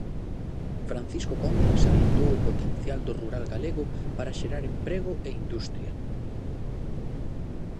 Francisco Conde salientou o potencial do rural galego para xerar emprego e industria.